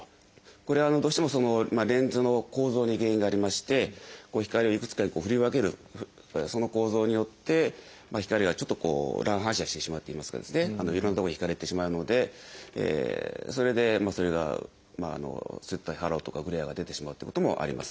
これはどうしてもレンズの構造に原因がありまして光をいくつかに振り分けるその構造によって光がちょっと乱反射してしまっていますからいろんな所に光が行ってしまうのでそれでそれがそういったハローとかグレアが出てしまうということもあります。